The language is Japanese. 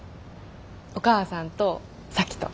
お母さんと咲妃と。